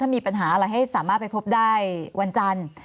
มีปัญหาอะไรให้สามารถไปพบได้วันจันทร์